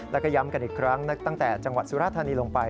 แล้วก็ย้ำกันอีกครั้งตั้งแต่จังหวัดสุราธานีลงไป